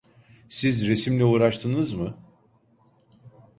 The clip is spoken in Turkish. Siz resimle uğraştınız mı?